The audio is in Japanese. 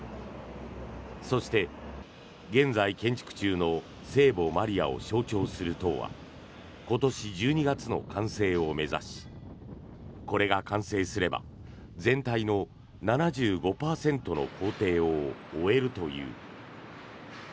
そして、現在建築中の聖母マリアを象徴する塔は今年１２月の完成を目指しこれが完成すれば全体の７５％の工程を終えるという。